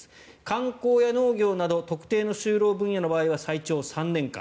観光や農業など特定の就労分野の場合は最長３年間。